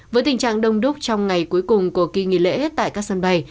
với tình trạng đông đúc trong ngày cuối cùng của kỳ nghỉ lễ tại các sân bay